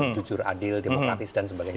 jujur adil demokratis dan sebagainya